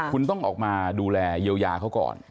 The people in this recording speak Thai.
คุณต้องออกมาดูแลเยียวยาเขาก่อน